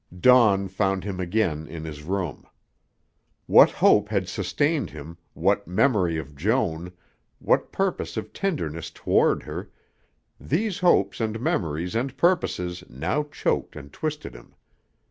Dawn found him again in his room. What hope had sustained him, what memory of Joan, what purpose of tenderness toward her these hopes and memories and purposes now choked and twisted him.